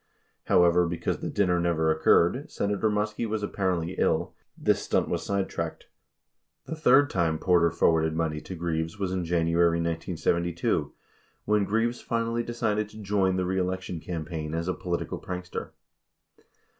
51 However, because the dinner never occurred — Senator Muskie was ap parently ill — this stunt was sidetracked. 51 * The third time Porter for warded money to Greaves was in January 1972, when Greaves finally decided to join the reelection campaign as a political prankster.